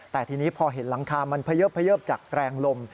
แต่ทีนี้พอเห็นหลังคามันเยิบจากแรงลม